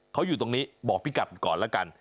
เขาอยู่ตรงนี้บอกพี่กัดก่อนแล้วกัน